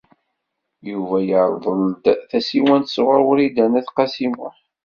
Yuba yerḍel-d tasiwant sɣur Wrida n At Qasi Muḥ.